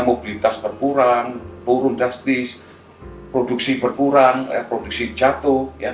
mobilitas berkurang turun drastis produksi berkurang produksi jatuh